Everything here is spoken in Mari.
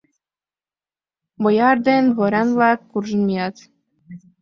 Бояр ден дворян-влак куржын мият